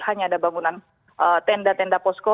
hanya ada bangunan tenda tenda posko